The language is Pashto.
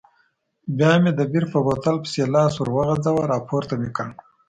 بیا مې د بیر په بوتل پسې لاس وروغځاوه، راپورته مې کړ.